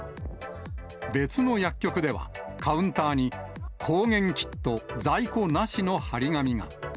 別の薬局では、カウンターに、抗原キット在庫なしの貼り紙が。